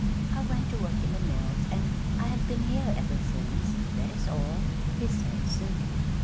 "I went to work in the mills, and I have been here ever since. That is all," he said simply.